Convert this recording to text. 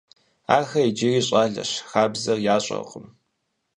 Ахэр иджыри щӀалэщ, хабзэр ящӀэркъым.